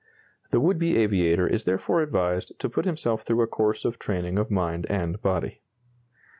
The would be aviator is therefore advised to put himself through a course of training of mind and body.